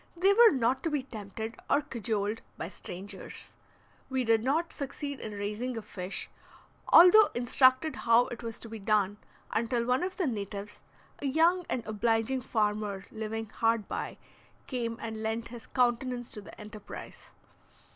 They were not to be tempted or cajoled by strangers. We did not succeed in raising a fish, although instructed how it was to be done, until one of the natives, a young and obliging farmer living hard by, came and lent his countenance to the enterprise.